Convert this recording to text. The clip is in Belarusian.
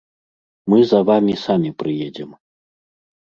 Мы за вамі самі прыедзем.